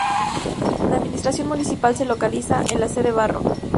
La administración municipal se localiza en la sede: Barro.